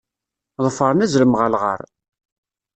Ḍefren azrem ɣer lɣar.